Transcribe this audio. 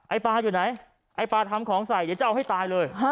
ปลาอยู่ไหนไอ้ปลาทำของใส่เดี๋ยวจะเอาให้ตายเลย